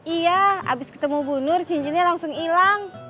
iya abis ketemu bu nur cincinnya langsung hilang